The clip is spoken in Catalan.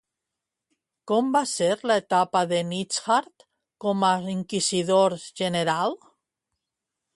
Com va ser l'etapa de Nithard com a Inquisidor general?